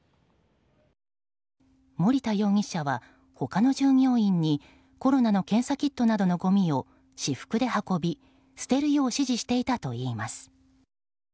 森田容疑者は、他の従業員にコロナの検査キットなどのごみを私服で運び捨てるよう指示していたといいます。